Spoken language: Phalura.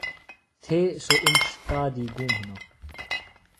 تھے سوۡ اِنڇ تا دی گُوم ہِنوۡ